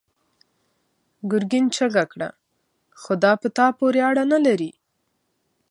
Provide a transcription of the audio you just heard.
ګرګين چيغه کړه: خو دا په تا پورې اړه نه لري!